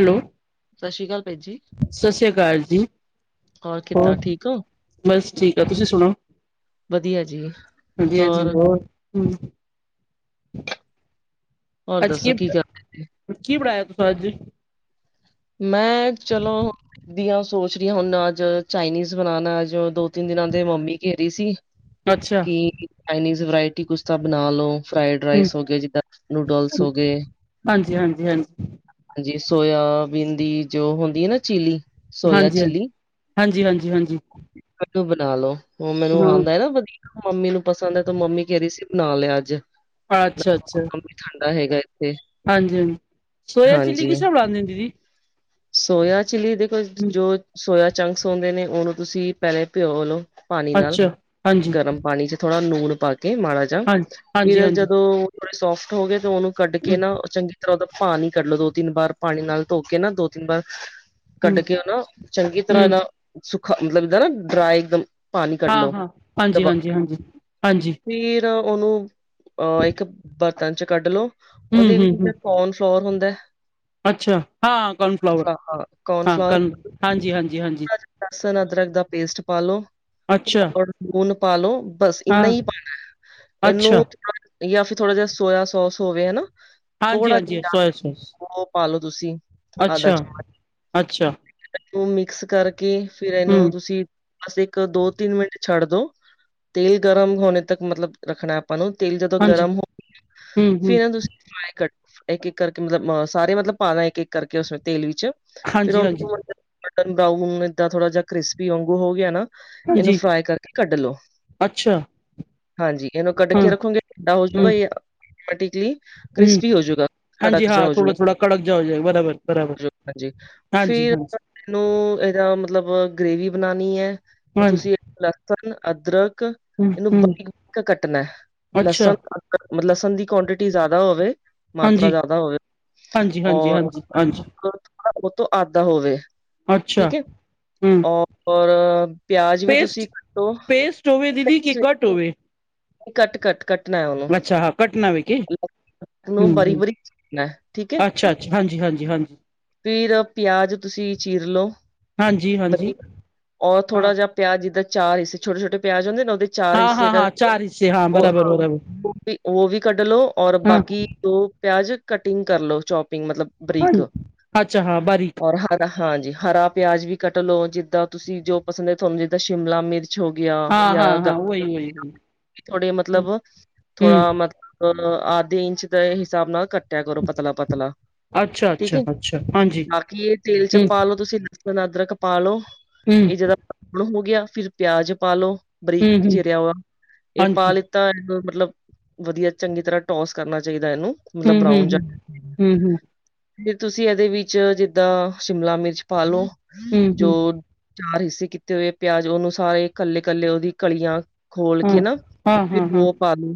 Hello ਸਤਿ ਸ਼੍ਰੀ ਅਕਾਲ ਭੈਣ ਜੀ, ਸਤਿ ਸ੍ਰੀ ਅਕਾਲ ਜੀ। ਹੋਰ ਕਿੱਦਾਂ, ਠੀਕ ਹੋ? ਬਸ ਠੀਕ ਆ, ਤੁਸੀਂ ਸੁਨਾਉ ਵਧੀਆ ਜੀ, ਹਾਂਜੀ ਹਾਂਜੀ ਹੋਰ ਹੋਰ ਅੱਜ ਦੱਸੋ ਕੀ, ਕਰਦੇ? ਕੀ ਬਣਾਇਆ ਤੁਸਾਂ ਅੱਜ ਮੈਂ ਚਲੋ ਦੀਆ ਸੋਚ ਰਹੀ ਹ, ਹੁਣ ਅੱਜ ਚਾਈਨੀਜ਼ ਬਣਾਉਣਾ ਅੱਜ ਦੋ ਤਿੰਨ ਦਿਨਾਂ ਦੇ ਮੰਮੀ, ਘੇਰੀ ਸੀ। ਅੱਛਾ ਕਿ, ਚਾਈਨੀਜ਼ ਵਰਾਇਟੀ, ਕੁਛ ਤਾਂ ਬਣਾ, ਲੋ ਫਰਾਈਡ ਹੂੰ। ਰਾਈਸ, ਹੋ ਗ ਜਿੱਦਾਂ ਨੂਡਲਸ, ਹੋ ਗਏ ਹਾਂਜੀ-ਹਾਂਜੀ, ਹਾਂਜੀ, ਹਾਂਜੀ-ਹਾਂਜੀ, ਹਾਂਜੀ, ਸੋਇਆ ਬੀਨ ਦੀ ਜੋ ਹੁੰਦੀ ਹੈ ਨਾ, ਚਿਲੀ ਸੋਇਆ ਹਾਂਜੀ ਹਾਂਜੀ, ਹਾਂਜੀ ਹਾਂਜੀ, ਹਾਂਜੀ। ਨੂੰ ਬਣਾ ਲੋੋ ਉਹ ਮੈਨੂੰ ਆਉਂਦਾ ਹਾਂ। ਨਾ ਵਧੀਆ ਮੰਮੀ ਨੂੰ ਪਸੰਦ ਹੈ ਤੂੰ ਮੰਮੀ ਕਹਿ ਰਹੀ ਸੀ ਬਣਾ ਲਿਆ ਅੱਜ ਨਾਲੇ ਅੱਛਾ ਅੱਛਾ ਮੰਮੀ ਠੰਡਾ ਹੈਗਾ ਇੱਥੇ ਹਾਂਜੀ ਹਾਂਜੀ ਸੋਇ ਚਿੱਲੀ ਹਾਂਜੀ ਕਿਸ ਤਰ੍ਹਾਂ ਬਣਾਉਦੇ ਹ ਦੀਦੀ ਸੋਇਆ ਚਿਲੀ ਦੇਖੋ ਹੂੰ, ਜੋ ਸੋਇਆ ਚੰਕਸ ਹੁੰਂਦੇ ਨੇ ਉਹਨੂੰ ਤੁਸੀਂ ਪਹਿਲੇ ਭਿਓ ਲਓ ਪਾਣੀ ਨਾਲ ਅੱਛਾ, ਹਾਂਜੀ, ਗਰਮ ਪਾਣੀ ਚ ਥੋੜਾ ਨੂਣ ਪਾ ਕੇ ਮਾੜਾ ਜਿਹਾ ਹਾਂ, ਫਰ ਹਾਂਜੀ-ਹਾਂਜੀ, ਜਦੋਂ ਉਹ ਥੋੜੇ ਸੋਫਟ ਹੋ ਗਏ ਤਾਂ ਉਹਨੂੰ ਕੱਢ ਹੂੰ, ਕੇ ਨਾ, ਚੰਗੀ ਤਰ੍ਹਾਂ ਉਹਦਾ ਪਾਣੀ ਕੱਢ ਲੋ, ਦੋ ਤਿੰਨ ਵਾਰ ਪਾਣੀ ਨਾਲ ਧੋ ਕੇ ਨਾ, ਦੋ ਤਿੰਨ ਵਾਰ ਹੂੰ, ਕੱਢ ਕੇ, ਉਹ ਨਾ ਚੰਗੀ ਤਰ੍ਹਾਂ, ਹੂੰ। ਇਹ ਨਾ ਸੁੱਖਾ ਮਤਲਬ ਜਦਾਂ ਨਾ ਡਰਾਏ ਇੱਕ, ਦਮ ਹਾਂ ਹਾਂ ਹਾਂਜੀ ਹਾਂਜੀ, ਹਾਂਜੀ ਹਾਂਜੀ ਫਿਰ ਉਹਨੂੰ ਅਹ ਇੱਕ ਬਰਤਨ ਚ ਕੱਢ ਲੋ ਹੂੰ-ਹੂੰ, ਉਹਦੇ ਹੂੰ, ਹੂੰ ਵਿੱਚ ਹੂੰ, ਕੋਨ ਫਲੋਰ ਹੁੰਦਾ ਅੱਛਾ ਹਾਂ ਕੋਨਫਲਾੋਵਰ ਹਾਂ ਕੋਰਨ ਹਾਂ ਫਲੋਰ ਹਾਂਜੀ ਹਾਂਜੀ ਹਾਂਜੀ ਲਸਣ ਅਦਰਕ ਦਾ ਪੇਸਟ ਪਾਾਲ ਲੋ ਅੱਛਾ ਹੁਨ ਪਾਾਲੋ ਬਸ ਇੰਨਾ ਹਾਂ ਹੀ ਪਾਣਾ ਅੱਛਾ ਇਹਨੂੰ ਜਾਂ ਫਿਰ ਥੋੜਾ ਜਿਹਾ ਸੋਇਆ ਸੋਸ ਹੋਵੇ ਹਨਾ ਹਾਂਜੀ ਥੋੜਾ ਹਾਂਜੀ ਜਿਹਾ ਸੋਇਆ ਸੋਸ ਉਹ ਪਾਾਲੋ ਤੁਸੀਂ ਆਧਾ ਅੱਛਾ ਚਮਚ ਅੱਛਾ ਨੂੰ ਮਿਕਸ ਕਰਕੇ ਫਿਰ ਇਹਨੂੰ ਹੂੰ ਤੁਸੀਂ ਬਸ ਇੱਕ ਦੋ ਤਿੰਨ ਮਿੰਟ ਛੱਡ ਦੋ ਤੇਲ ਗਰਮ ਹੋਣੇ ਤੱਕ ਮਤਲਬ ਰੱਖਣਾ ਆਪਾਂ ਨੂੰ ਤੇਲ ਜਦੋਂ ਹਾਂਜੀ ਗਰਮ ਹੋ ਹੂੰ ਹੂੰ ਫਿਰ ਫ ਕਰ ਇੱਕ ਇੱਕ ਕਰਕੇ ਮਤਲਬ ਅ ਸਾਰੇ ਮਤਲਬ ਪਾ ਲ ਇੱਕ ਇੱਕ ਕਰਕੇ ਉਸਨੇ ਤੇਲ ਵਿੱਚ ਫਿਰ ਹਾਂਜੀ ਉਹਨੂੰ ਹਾਂਜੀ ਬਟਨ ਬਰਾਊਨਏਦਾਂ ਥੋੜਾ ਜਿਹਾ ਕ੍ਰਿਸਪੀ ਵਾਂਗੂ ਹੋ ਗਿਆ ਨਾ ਇਹਨੂੰ ਹਾਂਜੀ ਫਰਾਈ ਕਰਕੇ ਕੱਢ ਲੋ ਅੱਛਾ ਹਾਂਜੀ ਇਹਨੂੰ ਕੱਢ ਹਾਂ ਕੇ ਰੱਖੋਗੇ ਠੰਡਾ ਹੂੰ ਹੋਜੂਗਾਟਮੈਟਿਕਲੀ ਹੂੰ ਕ੍ਰਿਸਪੀ ਹੋਜੂਗਾ ਹਾਂਜੀ ਕੜਕ ਜ ਹਾਂ ਥੋੜਾ ਹੋਜੂਗਾ ਥੋੜਾ ਕੜਕ ਜਾ ਹੋ ਜਾਏਗਾ ਬਰਾਬਰ ਬਰਾਬਰ ਹਾਂਜੀ ਫਰ ਹਾਂਜੀ ਹਾਂਜੀ ਇਹਨੂੰ ਇਹਦਾ ਮਤਲਬ ਗ੍ਰੇਵੀ ਬਣਾਉਣੀ ਹੈ ਤੇ ਹਾਂ ਤੁਸੀਂ ਹੂੰ ਲਸਣ ਅਦਰਕ ਇਹਨੂੰ ਹੂੰ ਬੜੀਕੀ ਕੱਟਣਾ ਅੱਛਾ ਲਸਣ ਬ ਲਸਣ ਦੀ ਕੁਆਂਟਿਟੀ ਜ਼ਿਆਦਾ ਹੋਵੇ ਮਾਤਰਾ ਹਾਂਜੀ ਜ਼ਿਆਦਾ ਹੋਵੇ ਹਾਂਜੀ ਹਾਂਜੀ ਔਰ ਹਾਂਜੀ ਹਾਂਜੀ ਉਹ ਤੋਂ ਆਧ ਹੋਵੇ ਅੱਛਾ ਠੀਕ ਹੈ ਹੂੰ ਔਰ ਪਿਆਜ ਵੀ ਪੇਸਟ ਤੁਸੀਂ ਕੱਟੋ ਪੇਸਟ ਹੋਵੇ ਦੀਦੀ ਕਿ ਕੱਟ ਹੋਵੇ ਕੱਟ ਘੱਟ ਕੱਟਣਾ ਹੈ ਉਹਨੂੰ ਅੱਛਾ ਹਾਂ ਕੱਟ ਨਾ ਹੋਵੇ ਕਿ ਹੂੰ ਨੂੰ ਬਾਰੀਕ ਹੂੰ ਬਾਰੀਕਣਾ ਠੀਕ ਹੈ ਅੱਛਾ ਹਾਂਜੀ ਹਾਂਜੀ ਹਾਂਜੀ ਫਿਰ ਪਿਆਜ ਤੁਸੀਂ ਚੀਰਲੋ ਹਾਂਜੀ ਹਾਂਜੀ ਬਰੀਕ ਔਰ ਹਾਂ ਥੋੜਾ ਜਹਾ ਪਿਆ ਜਿੱਦਾਂ ਚ ਰਹੀ ਸੀ ਛੋਟੇ ਛੋਟੇ ਪਿਆਜ ਹੁੰਦੇ ਨਾ ਉਹਦੇ ਚਾਰ ਹਿੱਸੇ ਕਰਕੇ ਉਹ ਹਾਂ ਵੀ ਉਹ ਵੀ ਕੱਢ ਲੋ ਔਰ ਬਾਕੀ ਦ ਪਿਆਜ ਕਟਿੰਗ ਕਰਲੋ ਚੋਪਿੰਗ ਮਤਲਬ ਬਰੀਕ ਔਰ ਹ ਹਾਂਜੀ ਹਰਾ ਪਿਆਜ ਵੀ ਕੱਟ ਲੋੋ ਜਿੱਦਾਂ ਤੁਸੀਂ ਜੋ ਪਸੰਦ ਹੈ ਤੁਹਾਨੂੰ ਜਿੱਦਾਂ ਸ਼ਿਮਲਾ ਮਿਰਚ ਹੋ ਗਿਆ ਜਾਂ ਥੋੜੇ ਮਤਲਬ ਥੋੜਾ ਮਤਲ ਅ ਆਧ ਇੰਚ ਦੇ ਹਿਸਾਬ ਨਾਲ ਕੱਟ ਕਿਆ ਕਰੋ ਪਤਲਾ ਪਤਲਾ ਅੱਛਾ ਠੀਕ ਅੱਛਾ ਹੈ ਅੱਛਾ ਹਾਂਜੀ ਬਾਕੀ ਇਹ ਤੇਲ ਚ ਹਮ ਪਾ ਲੋ ਤੁਸੀਂ ਅਦਰਕ ਪਾਾਲੋ ਹਮ ਇਹ ਜਦਾਣ ਹੋ ਗਿਆ ਫਿਰ ਪਿਆਜ ਪਾਾਲੋ ਬਰੀਕ ਹਮ ਹਮ ਚਰਿਆ ਵਾ ਇਹ ਹਾਂਜੀ ਪਾਾਲ ਤਾਂ ਇਹ ਮਤਲਬ ਵਧੀਆ ਚੰਗੀ ਤਰ੍ਹਾਂ ਟੋਸ ਕਰਨਾ ਚਾਹੀਦਾ ਇਹਨੂੰ ਮਤਲਬ ਹਮ ਬਰਾਊਨ ਹਮ ਹਮ ਫਿਰ ਤੁਸੀਂ ਇਹਦੇ ਵਿੱਚ ਜਿੱਦਾਂ ਸ਼ਿਮਲਾ ਮਿਰਚ ਪਾਾਲਓ ਹਮ ਹਮ ਹਮ ਜੋ ਹਮ ਚਾਰ ਹਿੱਸੇ ਕੀਤੇ ਹੋਏ ਪਿਆਜ ਉਹਨੂੰ ਸਾਰੇ ਇਕੱਲੇ ਕੱਲੇ ਉਹਦੀ ਕਲੀਆਂ ਖੋਲ ਹਾਂ ਕੇ ਨਾ ਹਾਂ ਹਾਂ ਫਿਰ ਹਾਂ ਉਹ ਪਾ ਲ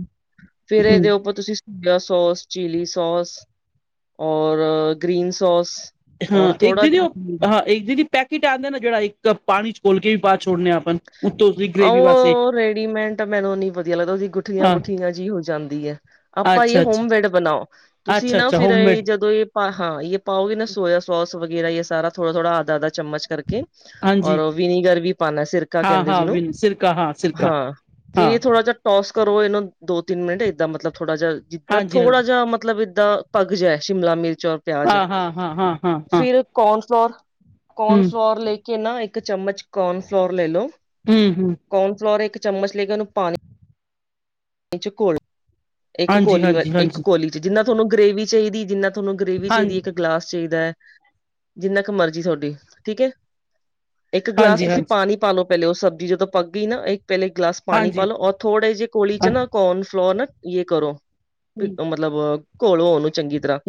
ਫੇਰ ਹਮ ਇਹਦੇ ਉੱਪਰ ਤੁਸੀਂ ਪੂਲਾ ਸੌਸ ਚਲੀ ਸੌਸ ਔਰ ਗ੍ਰੀਨ ਸੌਸ ਹਾਂ, ਇੱਕ ਦੀਦੀ ਉਹ ਹਾਂ, ਇੱਕ ਦੀਦੀ ਪੈਕਟ ਆਉਂਦੇ ਨਾ ਜਿਹੜਾ ਇੱਕ ਪਾਣੀ 'ਚ ਖੋਲ ਕੇ ਵੀ ਪਾ ਛੋੜਨੇ ਆ ਆਪਾਂ। ਉੱਤੋਂ ਉਸਦੀ ਗ੍ਰੇਵੀ ਵਾਸਤੇ ਉਹ ਰੇਡੀਮੇਟ ਮੈਨੂੰ ਇਨੀ ਵਧੀਆ ਲੱਗਦਾ ਉਹਦੀ ਗੁੱਠੀਆਂ- ਹਾਂ ਗੁਠੀਆਂ ਹੋ ਜਾਂਦੀ ਹੈ। ਆਪਾਂ ਇਹ ਅੱਛਾ ਅੱਛਾ ਹੋਮਵਡ ਬਣਾਓ। ਤੁਸੀਂ ਅੱਛਾ ਨਾ ਅੱਛਾ ਫਿਰ ਇਹ ਹੋਮਮੇਡ ਜਦੋਂ ਇਹ ਹਾਂ, ਇਹ ਪਾਓਗੇ ਨਾ ਸੋਇਆ ਸੋਸ ਵਗੈਰਾ ਇਹ ਸਾਰਾ ਥੋੜਾ- ਥੋੜਾ ਅ -ਆਧਾ -ਅੱਧ ਚਮਚ ਕਰਕੇ ਹਾਂਜੀ ਔਰ ਵਿਨੀਗਰ ਵੀ ਪਾਉਣਾ, ਸਿਰਕਾ ਹਾਂ ਕਹਿੰਦੇ ਹਾਂ ਜਿਹਨੂੰ ਵਿਨ ਸਿਰਕਾ ਹਾਂ ਸਿਰਕਾ ਹਾਂ। ਹਾਂ ਫਿਰ ਇਹ ਥੋੜਾ ਜਹਾ ਟੋਸ ਕਰੋ ਇਹਨੂੰ ਦੋ ਤਿੰਨ ਮਿੰਟਏਦਾਂ ਮਤਲਬ ਥੋੜਾ ਜਿ ਜਿੱਦਾਂ ਹਾਂਜੀ ਥੋੜਾ ਹਾਂਜੀ ਜਿ ਮਤਲਬ ਦਾ ਪਗਜ ਹੈ ਸ਼ਿਮਲਾ ਮਿਰਚ ਔਰ ਪਿਆਜ ਹਾਂ ਹਾਂ ਹਾਂ ਹਾਂ ਹਾਂ ਹਾਂ ਫਿਰ ਕੋਨ ਫਲੋਰ, ਕੋਨ ਹਮ ਫਲੋਰ ਲੈ ਕੇ ਨਾ ਇੱਕ ਚਮਚ ਕੋਨ ਫਲੋਰ ਲੈ ਲੋ। ਹਮ -ਹਮ। ਕੋਨ ਫਲੋਰ ਇੱਕ ਚਮਚ ਲੈ ਗੇ। ਉਹਨੂੰ ਪਾਣੀ 'ਚ ਘੋਲ ਇੱਕ ਹਾਂਜੀ ਕੋਲੀ ਵ ਹਾਂਜੀ ਇੱਕ ਹਾਂਜੀ ਕੋਲੀ 'ਚ ਜਿੰਨਾ ਤੁਹਾਨੂੰ ਗਰੇੇਵ ਚਾਹੀਦੀ ਜਿੰਨਾ ਤੁਹਾਨੂੰ ਗ੍ਰਰੇਵੀ ਹਾਂ ਚਾਹੀਦੀ ਹੈ। ਇੱਕ ਗਲਾਸ ਚਾਹੀਦਾ ਹੈ। ਜਿੰਨਾ ਕੁ ਮਰਜ਼ੀ ਤੁਹਾਡੀ ਠੀਕ ਹੈ। ਇੱਕ ਗਿਲਾਸ ਹਾਂਜੀ ਤੁਸੀਂ ਹਾਂਜੀ ਪਾਣੀ ਪਾ ਲਓ ਪਹਿਲੇ ਉਹ ਸਬਜ਼ੀ ਜਦੋਂ ਪੱਕ ਗਈ ਨਾ। ਇੱਕ ਪਹਿਲੇ ਗਲਾਸ ਪਾਣੀ ਹਾਂਜੀ ਪਾਲੋ। ਔਰ ਥੋੜੇ ਜਿਹੇ ਕੋਲੀ ਹਾਂ ਚ' ਹਮ ਨਾ ਕੋਨ ਫਲੋਰ ਨਾ, ਯ ਕੋਲੀ ਮਤਲਬ ਘੋਲ ਹੋ ਨੂੰ। ਚੰਗੀ ਤਰ੍ਹਾਂ, ਹਮ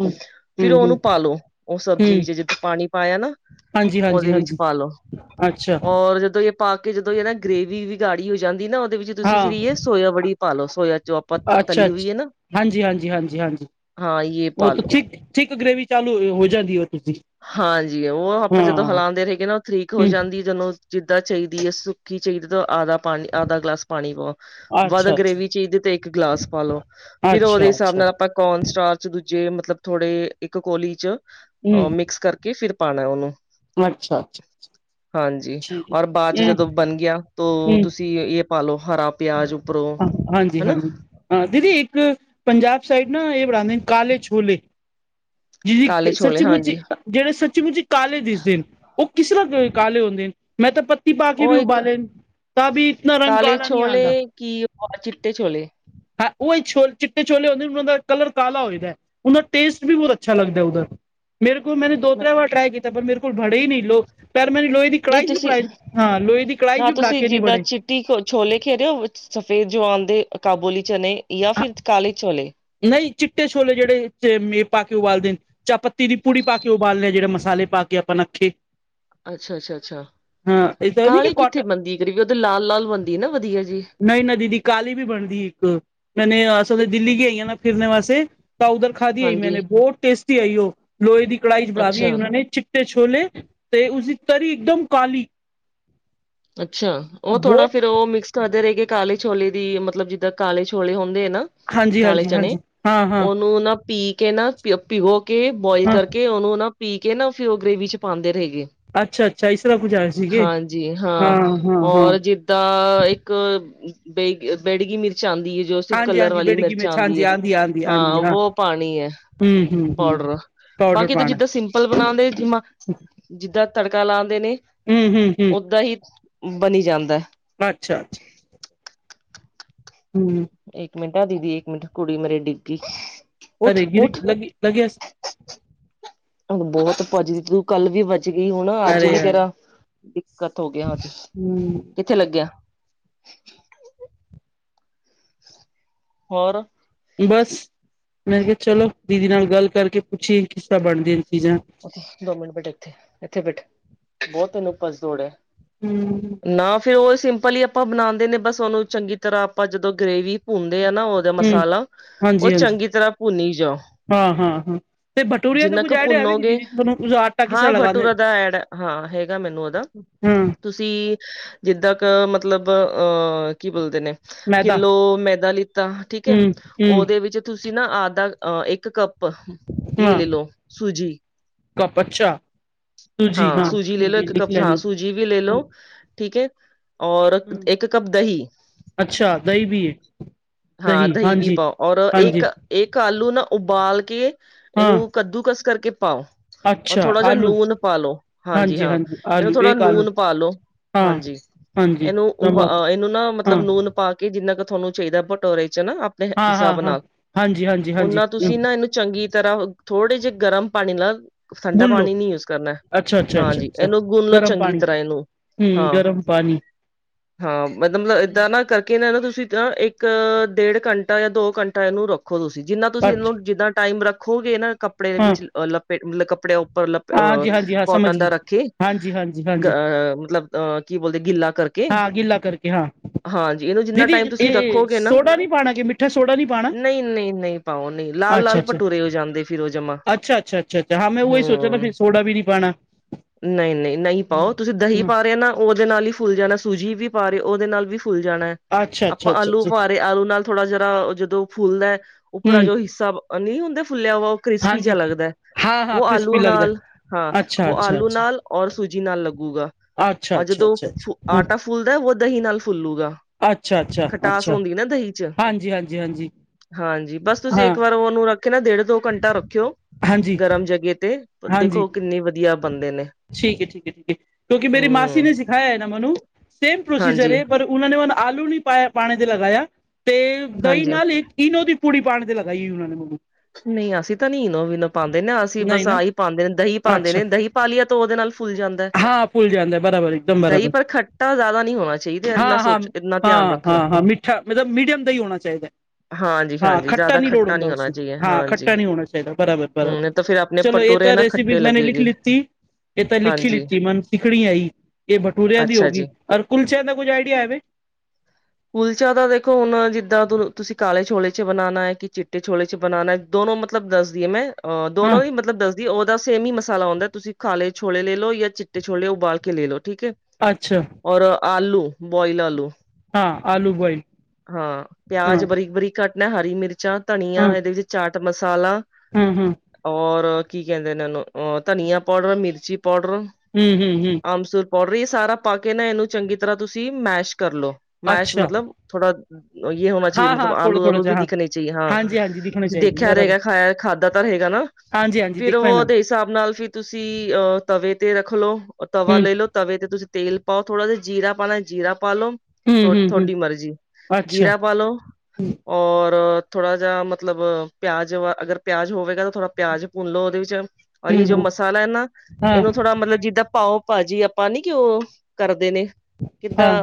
ਫੇਰ ਹਮ ਹਮ ਉਹਨੂੰ ਪਾਲੋ। ਉਹ ਸਬਜ਼ੀ ਹਮ ਵਿੱਚ ਜੇਦ ਪਾਣੀ ਪਾਇਆ ਨਾ। ਹਾਂਜੀ ਹਾਂਜੀ ਉਹਦੇ ਵਿੱਚ ਹਾਂਜੀ ਪਾਲੋ। ਅੱਛਾ ਔਰ ਜਦੋਂ ਪਾ ਕੇ ਜਦੋਂ ਇਹ ਨਾ ਗ੍ਰੇਵੀ ਵੀ ਗਾੜੀ ਹੋ ਜਾਂਦੀ ਨਾ ਉਹਦੇ ਵਿੱਚ ਤੁਸੀਂ ਹਾਂ ਫਿਰ ਸੋਇਆ ਬੜੀ ਪਾ ਲਓ, ਸੋਇਆ ਚੋਂ। ਆਪ ਅੱਛਾ -ਅੱਛਾ। ਹਾਂਜੀ- ਹਾਂਜੀ -ਹਾਂਜੀ -ਹਾਂਜੀ ਹਾਂ ਯੇ ਉਹ ਪਾ ਲੋ ਤਾਂ ਠੀਕ। ਠੀਕ ਗ੍ਰਰੇਵੀ ਚਾਲੂ ਹੋ ਜਾਂਦੀ ਹੋ। ਤੁਸੀਂ ਹਾਂਜੀ। ਉਹ ਆਪਾਂ ਜਦੋਂ ਹਾਂ ਹਿਲਾਉਂਦੇ ਰਹੇ ਗ ਨਾ ਉਹ ਠੀਕ ਹੋ ਹਮ ਜਾਂਦੀ। ਜਦੋਂ ਜਿੱਦਾਂ ਚਾਹੀਦੀ ਹੈ ਸੁੱਕੀ ਚਾਹੀਦੀ ਤਾਂ ਆਧਾ ਪਾਣੀ, ਆਧਾ ਗਲਾਸ ਪਾਣੀ ਪਾਓ। ਵੱਧ ਅੱਛਾ ਅੱਛਾ ਗ੍ਰਰੇਵੀ ਚੀਜ਼ ਤੇ ਇੱਕ ਗਲਾਸ ਪਾਲੋ। ਫਿਰ ਉਹਦੇ ਅੱਛਾ ਹਿਸਾਬ ਅੱਛਾ ਨਾਲ ਆਪਾਂ ਕੋਨ ਸਟਾਰ ਚ' ਦੂਜੇ ਮਤਲਬ ਥੋੜੇ ਇੱਕ ਕੋਲੀ ਚ' ਹਮ ਮਿਕਸ ਕਰਕੇ ਕੀ ਫਿਰ ਪਾਉਣਾ ਉਹਨੂੰ। ਅੱਛਾ। ਹਾਂਜੀ, ਠੀਕ ਔਰ ਬਾਅਦ ਚ' ਹੈ ਜਦੋਂ ਬਣ ਗਿਆ ਤ ਹਮ ਤੁਸੀਂ ਇਹ ਪਾਲਓ ਹਰਾ ਪਿਆਜ ਉੱਪਰੋਂ ਹਮ ਹਾਂਜੀ ਹਨਾ। ਹਾਂਜੀ ਹਾਂ, ਦੀਦੀ, ਇੱਕ ਪੰਜਾਬ ਸਾਈਡ ਨਾ ਇਹ ਬਣਾਉਂਦੇ ਨੇ ਕਾਲੇ ਛੋਲੇ। ਕਾਲੇ ਜਿਹ ਛੋਲੇ ਸੱਚੀ -ਮੁੁੱਚੀ, ਹਾਂਜੀ ਜਿਹੜੇ ਸੱਚੀ -ਮੁੁੱਚੀ ਕਾਲੇ ਦਿਸਦੇ। ਉਹ ਕਿਸ ਤਰ੍ਹਾਂ ਕਾਲੇ ਹੁੰਦੇ। ਮੈਂ ਤਾਂ ਪੱਤੀ ਪਾ ਕੇ ਵੀ ਉਹ ਇੱਕ ਉਬਾਲੇ। ਤਾਂਭ ਇਤਨਾ ਰੰਗ ਕਾਲੇ ਕਾਲਾ ਨਹੀਂ ਆਂਦਾ। ਛੋਲੇ ਕੀ ਉਹ ਚਿੱਟੇ ਛੋਲੇ। ਹੈ ਉਹੀ ਛੋ ਚਿੱਟੇ ਛੋਲੇ ਹੁੰਦੇ ਉਹ ਦਾ ਕਰਲ ਕਾਲਾ ਹੋਏਦਾ ਹੈ। ਉਹਦਾ ਟੇਸਟ ਵੀ ਬਹੁਤ ਅੱਛਾ ਲਗਦਾ। ਉਧਰ ਮੇਰੇਲ ਮਨੇ ਦੋ- ਤਿੰਨ ਵਾਰ ਟਰਾਾਈ ਕੀਤਾ ਪਰ ਮੇਰੇ ਕੋਲ ਬੜੇ ਹੀ ਨਹੀਂ। ਲੋ ਪਰ ਮੈੂੰ ਲੋਹੇ ਦੀ ਨਹੀਂ ਕੜਾਈ ਚ' ਵੀ ਤੁਸੀਂ ਬਣਾਈ। ਹਾਂ, ਲੋਹੇ ਦੀ ਕੜਾਈਸ਼ ਵੀ ਬਣਾ ਕੇ ਨੀ ਬਣੇ। ਕ ਛੋਲੇ ਖੇਰੇਿ ਹੋ ਸਫੇਦ ਚਨੇ ਦੇ ਕਾਬੋਲੀ ਚਨੇ ਜਾਂ ਫਿਰ ਕਾਲੇ ਛੋਲੇ। ਨਹੀਂ ਚਿੱਟੇ ਛੋਲੇ ਜਿਹੜੇ ਮੇ ਪਾ ਕੇ ਉਬਾਲਦੇ ਨੇ। ਚਾਹ ਪੱਤੀ ਦੀ ਪੂੜੀ ਪਾ ਕੇ ਉਬਾਲਦੇ ਹਾ। ਜਿਹੜੇ ਮਸਾਲੇ ਪਾ ਕੇ ਆਪਾਂ ਨੱਖੇ ਅੱਛਾ- ਅੱਛਾ- ਅੱਛਾ। ਹਾਂ ਇਹ ਤਾਂ ਨੀ ਕਿ ਕਾਲੇ ਕੋਟਨ ਕਿੱਥੇ ਬਣਦੀ ਕਰੀਬ ਉਦੇ ਲਾਲ -ਲਾਲ ਬੰਦੀ ਨਾ ਵਧੀਆ ਜੀ। ਨਹੀਂ ਨ ਦੀਦੀ ਕਾਹਲੀ ਵੀ ਬਣਦੀ। ਇੱਕ ਮਹਨੇ ਅਸਲ ਦਿੱਲੀ ਗੀ ਆਈਆਂ। ਫਿਰਨ ਵਾਸੇ ਤਾਂ ਉਧਰ ਖਾ ਦੀਈ ਹਾਂਜੀ ਮੈਂਨੇ ਬਹੁਤ ਟੇਸਟੀ ਆਈ ਉਹ। ਲੋਹੇ ਦੀ ਕੜਾਹੀ ਚ' ਬੜਾ ਦੀ ਅੱਛਾ ਆਈ ਉਹਨਾਂ ਨੇ ਚਿੱਟੇ ਛੋਲੇ ਤੇ ਉਸਦੀ ਤਰੀ ਇਕਦਮ ਕਾਲੀ। ਅੱਛਾ। ਉਹ ਥੋੜਾ ਬਹੁਤ ਫੇਰ ਉਹ ਮਿਕਸ ਕਦੇ ਰਹੇ ਗ ਕਾਲੇ ਛੋਲੇ ਦੀ ਮਤਲਬ, ਜਿੱਦਾਂ ਕਾਲੇ ਛੋਲੇ ਹੁੰਦੇ ਆ ਨਾ। ਹਾਂਜੀ ਕਾਲੇ ਹਾਂਜੀ ਚਣੇ, ਹਾਂਜੀ ਹਾਂ ਹਾਂ ਉਹਨੂੰ ਨਾ। ਪੀ ਕੇ ਨਾ। ਪਿੋ ਕੇ ਬੋਇਲ ਹਾਂ ਕਰਕੇ ਉਹਨੂੰ ਨਾ ਪੀ ਕੇ ਨਾ ਫੇਰ ਉਹ ਗ੍ਰੇਵੀ ਚ' ਪਾਉਂਦੇ ਰਹੇ ਗੇ। ਅੱਛਾ- ਅੱਛਾ ਇਸ ਤਰਾ ਕੁ ਪੀਜੇਏ ਸੀਗੇ। ਹਾਂ- ਹਾਂ- ਹਾਂ। ਔਰ ਜਿੱਦਾਂ ਇੱਕ ਬੇ ਬੇੜਗੀ ਮਿਰਚ ਆਉਂਦੀ ਹੈ ਜੋ ਹਾਂਜੀ ਕਲਰ ਹਾਂਜੀ ਵਾਲੀ ਬੇੜਗੀ ਮਿਰਚ ਆਉਂਦੀ ਹਾਂਜੀ ਹੈ ਹਾਂ ਵੋ ਪਾਣੀ ਹੈ ਹਮ ਹਮ ਪਾਊਡਰ ਬਾਕੀ ਤਾਂ ਜਿੱਦਾਂ ਸਿੰ ਚਪਲ ਬਣਾਉਦੇ ਜਿਮਾ ਜਿੱਦਾਂ ਤੜਕਾ ਲਾਉਦੇ ਨੇ ਹੂੰ ਹੂੰ ਹੂੰ ਓਦਾਂ ਹੀ ਬਣੀ ਜਾਂਦਾ ਅੱਛਾ ਅੱਛਾ ਹਮ ਇੱਕ ਮਿੰਟ ਆ ਦੀਦੀ ਇੱਕ ਮਿੰਟ ਕੁੜੀ ਮੇਰੇ ਡਿੱਗੀ। ਅਰੇ ਗਿਰ ਲ ਲਗਾ। ਬਹੁਤ ਭੱਜੀ ਦੀ। ਕੱਲ ਵੀ ਬਚ ਗਈ ਹੁਣ ਅੱਜ ਅਰੇ ਵੀ ਯਾਰ ਤੇਰਾ ਦਿੱਕਤ ਹੋ ਗਿਆ ਅੱਜ ਹੂੰ ਕਿੱਥੇ ਲੱਗਿਆ ਹੋਰ ਬਸ ਮੈਂ ਕਿਹਾ ਚਲੋ ਦੀਦੀ ਨਾਲ ਗੱਲ ਕਰਕੇ ਪੁੱਛੀਏ ਕਿ ਤਾਂ ਬਣਦੀਆਂ ਚੀਜ਼ਾਂ ਉੱਥੇ ਦੋ ਮਿੰਟ ਬੈਠ ਇਥੇ ਇੱਥੇ ਬੈਠ ਬਹੁਤ ਤੈਨੂੰਸ ਦੌੜ ਹੂੰ। ਨਾ ਫਿਰ ਉਹ ਸਿੰਪਲ ਹੀ ਆਪਾਂ ਬਣਾਉਂਦੇ ਨੇ ਬਸ ਉਹਨੂੰ ਚੰਗੀ ਤਰ੍ਹਾਂ ਆਪਾਂ ਜਦੋਂ ਗ੍ਰਰੇਵੀ ਭੁੰਦੇ ਆ ਨਾ ਦਾ ਹੂੰ ਮਸਾਲਾ ਉਹ ਹਾਂਜੀ ਹਾਂਜੀ ਚੰਗੀ ਤਰ੍ਹਾਂ ਭੁੰਨੀ ਜਾਓ ਹਾਂ ਹਾਂ ਹਾਂ ਤੇ ਬਟੂਰੀਆ ਤੋਂ ਜਿੰਨਾ ਕੁੱਝ ਕੁ ਐਡ ਆਵੇਗੀ ਭੁੰਨੋਗੇ ਹਾਂ ਬਟੂਰਾ ਦਾ ਐਡ ਹਾਂ ਹੈਗਾ ਮੈਨੂੰ ਉਹਦਾ ਹੂੰ ਤੁਸੀਂ ਸੀ ਜਿੱਦਾਂ ਕ ਮਤਲਬ ਅਹ ਕੀ ਬੋਲਦੇ ਨੇ ਮੈਦਾ ਕਿਲੋ ਮੈਦਾ ਲਿੱਤਾ ਠੀਕ ਹੈ ਹੂੰ ਉਹਦੇ ਹੂੰ ਵਿੱਚ ਤੁਸੀਂ ਨਾ ਆਧਹ ਇੱਕ ਕੱਪ ਬਸ ਲੈ ਲਓ ਸੂਜੀ ਕ ਬੱਚਾ ਹਾਂ ਸੂਜੀ ਲੈ ਲਓ ਇੱਕ ਕੱ ਹਾਂ ਲੈਣੀ। ਸੂਜੀ ਵੀ ਲੈ ਲੋ ਠੀਕ ਹੈ ਔਰ ਹੂੰ ਇੱਕ ਕੱਪ ਦਹੀਂ ਅੱਛਾ ਦਹੀਂ ਵੀ ਏ ਹਾਂ ਦਹੀਂ ਵੀ ਪਾਓ ਔਰ ਹਾਂਜੀ ਇੱਕ ਇੱਕ ਆਲੂ ਨਾ ਉਬਾਲ ਕੇ ਹਾਂ ਇਹਨੂੰ ਕੱਦੂਕਸ ਕਰਕੇ ਪਾਓ ਰ ਅੱਛਾ ਥੋੜਾ ਜਿਹਾ ਆਲੂ ਨੂਨ ਪਾਾਲ ਲੋ ਹਾਂਜੀ ਹਾਂ ਇਹਨੂੰ ਆਲੂ ਥੋੜ੍ਹਾ ਇੱਕ ਆਲੂ ਨੂਨ ਪਾਾਲ ਲੋ ਹਾਂ। ਹਾਂਜੀ ਹਾਂਜੀ ਇਹਨੂੰ ਨਮਕ ਇਹਨੂੰ ਨਾ ਮਤਲਬ ਹਾਂ ਲੂਨ ਪਾ ਕੇ ਜਿੰਨਾ ਕੁ ਤੁਹਾਨੂੰ ਚਾਹੀਦਾ ਭਟੋਰੇ ਚ ਨਾ ਆਪਣੇ ਹਾਂ ਹਾਂ ਹਿਸਾਬ ਹਾਂ ਨਾਲ ਹਾਂਜੀ ਹਾਂਜੀ ਹਾਂਜੀ ਓਨਾ ਹੂੰ ਤੁਸੀਂ ਨਾ ਇਹਨੂੰ ਚੰਗੀ ਤਰ੍ਹਾਂ ਥੋੜੇ ਜਿਹੇ ਗਰਮ ਪਾਣੀ ਨਾਲ ਠੰਡਾ ਗੁੰਨ ਲੋ ਪਾਣੀ ਨੀ ਯੂਜ ਕਰਨਾ ਅੱਛਾ ਅੱਛਾ ਹਾਂਜੀ ਇਹਨੂੰ ਗੁਣ ਲਓ ਚੰਗੀ ਤਰ੍ਹਾਂ ਇਹਨੂੰ ਹਮ ਹਾਂ ਗਰਮ ਪਾਣੀ ਹਾਂ ਮਲਬ ਏਦਾਂ ਨਾ ਕਰਕੇ ਇਹ ਨਾ ਤੁਸੀਂ ਇੱਕ ਡੇਢ ਘੰਟਾ ਜਾਂ ਦੋ ਘੰਟਾ ਇਹਨੂੰ ਰੱਖੋ ਰੱਖੋ ਤੁਸੀਂ ਜਿੰਨਾ ਤੁਸੀਂ ਅੱਛਾ ਇਹਨੂੰ ਜਿੱਦਾਂ ਟਾਈਮ ਰੱਖੋਗੇ ਨਾ ਕੱਪੜੇ ਹਾਂ ਵਿੱਚ ਅਹ ਲੱਪੇ ਮਤਲਬ ਕੱਪੜੇ ਲ ਹਾਂਜੀ ਹਾਂਜੀ ਹਾਂ ਸਮਝ ਕੋਟਨ ਦਾ ਗਈ ਰੱਖੇ ਹਾਂਜੀ ਹਾਂਜੀ ਹਾਂਜੀ ਅ ਮਤਲਬ ਕੀ ਬੋਲਦੇ ਗਿੱਲਾ ਕਰਕੇ ਹਾਂ ਗਿੱਲਾ ਕਰਕੇ ਹਾਂ ਹਾਂਜੀ ਇਹਨੂੰ ਜਿੰਨਾ ਦੀਦੀ ਟਾਈਮ ਤੁਸੀਂ ਇਹ ਰੱਖੋਗੇ ਨਾ ਸੋਡਾ ਨਹੀਂ ਪਾਉਣਾ ਕਿ ਮਿੱਠਾ ਸੋਡਾ ਨਹੀਂ ਪਾਉਣਾ ਨਹੀਂ ਨਹੀਂ ਨਹੀਂ ਪਾਓ ਨਹੀਂ ਲਾਲ ਲਾਲ ਭਟੂਰੇ ਹੋ ਜਾਂਦੇ ਫਿਰਰ ਉਹ ਜਮਾ ਅੱਛਾ ਅੱਛਾੱ ਉਹੀ ਨਾ ਫਿਰ ਹਮ ਸੋਡਾ ਵੀ ਨੀ ਪਾਣਾ ਨਹੀਂ ਨਹੀਂ ਨਹੀਂ ਪਾਓ ਤੁਸੀਂ ਦਹੀਂ ਹੂੰ ਪਾ ਰਹੇ ਨਾ ਉਹਦੇ ਨਾਲ ਹੀ ਫੁੱਲ ਜਾਣਾ ਸੂਜੀ ਵੀ ਪਾ ਰਹੇ ਉਹਦੇ ਨਾਲ ਵੀ ਫੁੱਲ ਜਾਣਾ ਅੱਛਾ ਅੱਛਾ ਆਪਾਂ ਅੱਛਾ ਆਲੂ ਅੱਛਾ ਪਾ ਤੇ ਆਲੂ ਨਾਲ ਥੋੜਾ ਜਿਹਾ ਜਦੋਂ ਫੁੱਲਦਾ ਹੂੰ ਉੱਪਰਾ ਜੋ ਹਿੱਸਾ ਨਹੀਂੀ ਹੁੰਦਾ ਫੁੱਲਿਆ ਵਾ ਕ੍ਰਿਸਪੀ ਜਿ ਹਾਂਜੀ ਲੱਗਦਾ ਹੈ ਹਾਂ ਹਾਂ ਉਹ ਆਲੂ ਕ੍ਰਿਸਪੀ ਲੱਗਦਾ ਨਾਲ ਹਾਂ ਅੱਛਾ ਉਹ ਅੱਛਾ ਆਲੂ ਅੱਛਾ ਨਾਲ ਔਰ ਸੂਜੀ ਨਾਲ ਲੱਗੂਗਾ ਅੱਛਾ ਅੱਛਾ ਅੱਛਾ ਜਦੋਂ ਅੱਛਾ ਹਾਂ ਆਟਾ ਫੁੱਲਦਾ ਉਹ ਦਹੀਂ ਨਾਲ ਫੁੱਲੂਗਾ ਅੱਛਾ ਅੱਛਾ ਖਟਾਸ ਅੱਛਾ ਹੁੰਦੀ ਨਾ ਦਹੀਂ ਚ ਹਾਂਜੀ ਹਾਂਜੀ ਹਾਂਜੀ ਹਾਂਜੀ ਬਸ ਤੁਸੀਂ ਹਾਂ ਇੱਕ ਵਾਰ ਉਹਨੂੰ ਰੱਖਿ ਨਾ ਡੇਢ ਦੋ ਘੰਟਾ ਰੱਖਿਓ ਹਾਂਜੀ ਗਰਮ ਜਗ੍ਹੇ ਤੇ ਹਾਂਜੀ ਦੇਖੋ ਕਿੰਨੇ ਵਧੀਆ ਬਣਦੇ ਨੇ ਠੀਕ ਹੈ ਕਿਉਂਕਿ ਮੇਰੀ ਮਾਸੀ ਹਮ ਨੇ ਸਿਖਾਇਆ ਹੈ ਨਾ ਮੈਨੂੰ ਸੇਮ ਪ੍ਰੋਸੀਜਰ ਹਾਂਜੀ ਪਰ ਉਹਨਾਂ ਨੇ ਮਨ ਆਲੂ ਨੀ ਪਾਇਆ ਪਾਣੇ ਤੇ ਲਗਾਇਆ ਤੇ ਦਹੀਂ ਹਾਂਜੀ ਨਾਲ ਇੱਕ ਇਨੋ ਦੀ ਪੂੜ ਪਾਉਣ ਤੇ ਲਗਾਈ ਸੀ ਉਹਨਾਂ ਨੇ ਮੈਨੂੰ ਨਹੀਂ ਅਸੀਂ ਤਾਂ ਨੀਨੋ ਵੀਨ ਪਾਉਂਦੇ ਨੇ ਅਸੀਂ ਨਹੀਂ ਬਸ ਨਾ ਆਹੀ ਪਾਉਂਦੇ ਨੇ ਦਹੀਂ ਪਾਉਂਦੇ ਅੱਛਾ ਨੇ ਦਹੀਂ ਪਾਲੀਆ ਤੋਂ ਉਹਦੇ ਨਾਲ ਫੁੱਲ ਜਾਂਦਾ ਹਾਂ ਫੁੱਲ ਜਾਂਦਾ ਬਰਾਬਰ ਇੱਕਦਮ ਦਹੀਂ ਬਰਾਬਰ ਪਰ ਖੱਟਾ ਜ਼ਿਆਦਾ ਨਹੀਂ ਹੋਣਾ ਚਾਹੀਦਾ ਇਨਾ ਸੋਚ ਇੰਨਾ ਧਿਆਨ ਰੱਖਿਓ ਠਾ ਮਤਲਬ ਮੀਡੀਅਮ ਦਾ ਹੀ ਹੋਣਾ ਚਾਹੀਦਾ ਹਾਂਜੀ ਹਾਂ ਹਾਂਜੀ ਖੱਟਾ ਜ਼ਿਆਦਾ ਨ ਲੋੜ ਹੁੰਦਾ ਨਹੀਂ ਹੋਣਾ ਉਸਨੂੰ ਚਾਹੀਏ ਹਾਂ ਹਾਂਜੀ ਖੱਟਾ ਨਹੀਂ ਹੋਣਾ ਚਾਹੀਦਾ ਬਰਾਬਰ ਹੂੰ ਬਰਾਬਰ ਨਹੀਂ ਤਾਂ ਫਿਰ ਆਪਣੇ ਚਲੋ ਇਹ ਭਟੂਰੇ ਤਾਂ ਨਾ ਰੈਸਿਪੀ ਖੱਟੇ ਮੈਂਨੇ ਲਿਖ ਲੱਗੇਗੇ ਲਿੱਤੀ ਇਹ ਤਾਂ ਲਿਖੀ ਹਾਂਜੀ ਲਿੱਤੀ ਮਨ ਸਿੱਖਣੀ ਹੈ ਹੀ ਇਹ ਬਟੂੂਰਿਆਂ ਦੀ ਹੋ ਅੱਛਾ ਗਈ ਜੀ। ਰ ਕੁਲਚਿਆਂ ਦਾ ਕੁੱਝ ਆਈਡੀਆ ਹੈਵੇ ਕੁਲਚਾ ਤਾਂ ਦੇਖੋ ਹੁਣ ਜਿੱਦਾਂ ਤੁਸੀਂ ਕਾਲੇ ਛੋਲੇ ਚ ਬਣਾਉਣਾ ਹੈ ਕਿ ਚਿੱਟੇ ਛੋਲੇ ਚ ਬਣਾਉਣਾ ਦੋਨੋ ਮਤਲਬ ਦੱਸਦੀ ਹੈ ਮੈਂ ਅ ਹਾਂ ਦੋਨੋ ਹੀ ਮਤਲਬ ਦੱਸਦੀ ਉਹਦਾ ਸੇਮ ਹੀ ਮਸਾਲਾ ਆਉਂਦਾ ਤੁਸੀਂ ਖਾਲੇ ਛੋਲੇ ਲੈ ਲਓ ਜਾਂ ਚਿੱਟੇ ਛੋਲੇ ਉਬਾਲ ਕੇ ਲੈ ਲਓ ਠੀਕ ਹੈ ਅੱਛਾ ਔਰ ਆਲੂ ਬੋਇਲ ਆਲੂ ਹਾਂ ਆਲੂ ਬੋਇ ਹਾਂ ਪਿਆਜ ਬਰੀਕ ਬਰੀਕ ਘੱਟਨਾ ਹਰੀ ਮਿਰਚਾਂ ਧਨੀਆ ਇਹਦੇ ਵਿੱਚ ਚਾਟ ਮਸਾਲਾ ਹਮ ਹਮ ਔਰ ਕੀ ਕਹਿੰਦੇ ਨੇੂੰ ਅ ਧਨੀਆ ਪਾਊਡਰ ਮਿਰਚੀ ਪਾਊਡਰ ਹਮ ਹਮ ਹਮ ਅਮਸੁਰ ਪਾਊਡਰ ਇਹ ਸਾਰਾ ਪਾ ਕੇ ਨਾ ਇਹਨੂੰ ਚੰਗੀ ਤਰ੍ਹਾਂ ਤੁਸੀਂ ਮੈਸ਼ ਕਰਲੋ ਮੈਸ਼ ਅੱਛਾ ਮਤਲਬ ਥੋੜਾ ਇਹ ਹੋਣਾ ਚਾਹੀਦਾ ਹਾਂ ਮਤਲਬ ਹਾਂ ਥੋੜਾ ਆਲੂ ਥੋੜਾ ਆਲੂ ਵੀ ਜਿਹਾ ਹਾਂ ਦਿਖਣੇ ਚਾਹੀਏ ਹਾਂ ਹਾਂਜੀ ਹਾਂਜੀ ਦਿਖਣੇ ਤੁਸੀਂ ਚਾਹੀਦੇ ਦੇਖਿਆ ਬਰਾਬਰ ਰਹੇਗਾ ਖਾਇਆ ਖਾ ਜ਼ਿਆਦਾਤਰ ਹੈਗਾ ਨਾ ਹਾਂਜੀ ਹਾਂਜੀ ਫਿਰ ਦਿਖ ਉਹ ਪਏ ਨਾ ਉਹਦੇ ਹਿਸਾਬ ਨਾਲ ਫਿਰ ਤੁਸੀਂ ਅਹ ਤਵੇ ਤੇ ਰੱਖਲਓ ਉਹ ਤਵਾ ਹੂੰ ਲੈ ਲ ਲੋ ਤਵੇ ਤੇ ਤੁਸੀਂ ਤੇਲ ਪਾਓ ਥੋੜ੍ਹਾ ਜਿਹਾ ਜੀਰਾ ਪਾਉਣਾ ਜੀਰਾ ਪਾ ਲ ਲੋ ਹੂੰ ਹੂੰ ਹੂੰ ਤੁਥਹਾਡੀ ਮਰਜ਼ੀ ਅੱਛਾ ਜੀਰਾ ਪਾ ਲੋ ਔਰ ਥੋੜ੍ਹਾ ਜਿਹਾ ਮਤਲਬ ਪਿਆਜ ਵ ਅਗਰ ਪਿਆਜ ਹੋਵੇਗਾ ਤਾਂ ਥੋੜਾ ਪਿਆਜ ਭੁੰਨ ਲੋੋ ਉਹਦੇ ਵਿੱਚ ਔਰ ਹੂੰ ਇਹ ਜੋ ਹੂੰ ਮਸਾਲਾ ਹੈ ਨਾ ਹਾਂ ਇਹਨੂੰ ਥੋੜਾ ਮਤਲਬ ਜਿੱਦਾਂ ਭਾਓ ਭਾਜੀ ਆਪਾਂ ਨੀ ਕਿ ਉਹ ਕਰਦੇ ਨੇ ਕਿੱਦਾਂ ਹਾਂ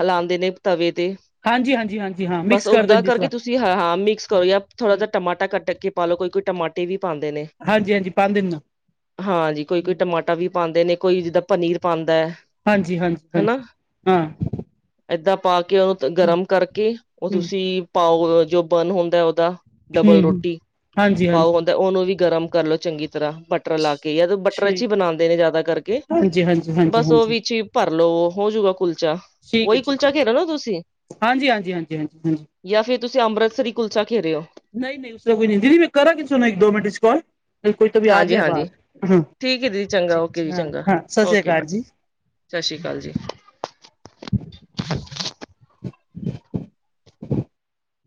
ਹਲਾਉਂਦੇ ਨੇ ਤਵੇ ਤੇ ਹਾਂਜੀ ਹਾਂਜੀ ਹਾਂਜੀ ਹਾਂ ਬਸ ਮਿਕਸ ਕਰਦੇ ਓਦਾਂ ਜੀ ਇਸ ਕਰਕੇ ਤਰ੍ਹਾਂ ਤੁਸੀਂ ਹਾਂ ਹਾਂ ਮਿਕਸ ਕਰੋ ਜਾਂ ਥੋੜਾ ਹੂੰ ਜਹਾ ਟਮਾਟ ਕੱਟ ਕੇ ਪਾ ਲਓ ਕੋਈ ਕੋਈ ਟਮਾਟੇ ਵੀ ਪਾਉਂਦੇ ਨੇ ਹਾਂਜੀ ਹਾਂਜੀ ਪੰਜ ਦਿਨ ਦਾ ਹਾਂਜੀੀ ਕੋਈ ਕੋਈ ਟਮਾਟਰ ਆਟਾ ਵੀ ਪਾਉਂਦੇ ਨੇ ਕੋਈ ਜਿੱਦਾਂ ਪਨੀਰ ਪਾਉਂਦਾ ਹੈ ਹਾਂਜੀ ਹਾਂਜੀ ਹਨਾ ਹਾਂਜੀ ਹਾਂ ਏਦਾਂ ਪਾ ਕੇ ਉਹਨੂੰ ਗਰਮ ਕਰਕੇ ਉਹ ਹੂੰ ਤੁਸੀਂ ਪਾਓ ਜੋ ਬਰਨ ਹੁੰਦਾ ਉਹਦਾ ਡਬਲ ਹੂੰ ਰੋਟੀ ਹਾਂਜੀ ਪਾਓ ਹਾਂਜੀ ਹੁੰਦਾ ਉਹਨੂੰ ਵੀ ਗਰਮ ਕਰ ਲੋ ਚੰਗੀ ਤਰ੍ਹਾਂ ਬ ਬਟਰ ਲਾ ਕੇ ਜਾਂਦ ਬਟਰ ਚ ਹੀ ਠੀਕ ਬਣਾਉਦੇ ਨੇ ਜਿਆਦਾ ਕਰਕੇ ਹਾਂਜੀ ਹਾਂਜੀ ਹਾਂਜੀ ਬਸ ਉਹ ਹਾਂਜੀ ਵਿੱਚ ਹੀ ਭਰਲੋ ਹੋਜੂਗਾ ਕੁਲਚਾ ਠੀਕ ਹੈ ਉਹੀ ਠੀਕ ਹੈ ਕੁਲਚਾ ਘੇਰੋ ਨਾ ਤੁਸੀਂ ਹਾਂਜੀ ਹਾਂਜੀ ਹਾਂਜੀ ਹਾਂਜੀ ਹਾਂਜੀ ਜਾਂ ਫੇਿਰ ਤੁਸੀਂ ਅੰਮ੍ਰਿਤਸਰੀ ਕੁਲਚਾ ਖੇਰਹੇ ਹੋ ਨਹੀਂ ਨਹੀਂ ਉਸਦਾ ਕੋਈ ਨਹੀਂ ਦੀਦੀ ਮੈਂ ਕਰਾਂ ਕਿ ਸੁੋਣਾ ਇੱਕ ਦੋ ਮਿੰਟ ਚਚ ਕਾਲ ਕੋਈ ਤ ਵੀ ਆ ਹਾਂਜੀ ਗਿਆ ਹਾਂਜੀ ਬਾਪ ਹ ਹ ਠੀਕ ਹੈ ਦੀਦੀ ਚੰਗਾ ਓਕੇ ਜੀ ਚੰਗਾ ਹਾਂ ਸਤਿ ਸ੍ਰੀ ਓਕੇ ਅਾਲ ਬਾਏ ਜੀ ਸਤਿ ਸ੍ਰੀ ਅਕਾਲ ਜੀ